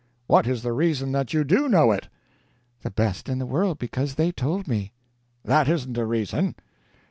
"What is the reason that you do know it?" "The best in the world because they told me." "That isn't a reason."